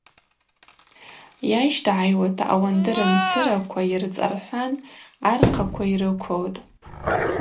Йащтагӏайуата ауандыр мцыраква йырцӏархӏван архъаква йрыквылтӏ.